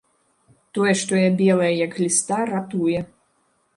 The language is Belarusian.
Тое, што я белая, як гліста, ратуе.